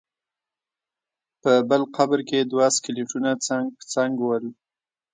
په بل قبر کې دوه سکلیټونه څنګ په څنګ ول.